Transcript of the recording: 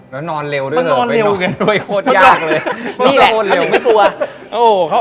แล้วนอนเร็วด้วยเหรอโคตรยากเลยนี่แหละมันยังไม่กลัว